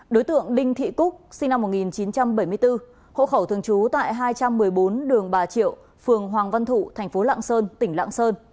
đối tượng đinh thị cúc sinh năm một nghìn chín trăm bảy mươi bốn hộ khẩu thường trú tại hai trăm một mươi bốn đường bà triệu phường hoàng văn thụ thành phố lạng sơn tỉnh lạng sơn